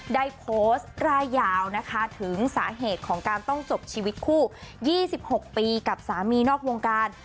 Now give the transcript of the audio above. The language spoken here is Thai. ได้โพสต์ร่ายยาวนะคะถึงสาเหตุของการต้องจบชีวิตคู่๒๖ปีกับสามีนอกวงการ